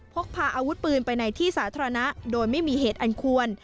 พกพาอาวุธปืนไปในที่สาธารณะโดยไม่มีเหตุอันควร